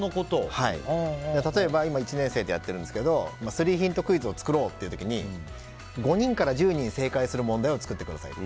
例えば、今１年生でやっているんですけどスリーヒントクイズを作ろうっていう時に５人から１０人正解する問題を作ってくださいと。